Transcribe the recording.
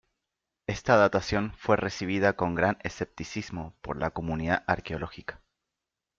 Esta datación fue recibida con gran escepticismo por la comunidad arqueológica.